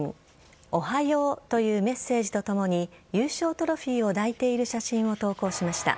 おはようというメッセージとともに優勝トロフィーを抱いている写真を投稿しました。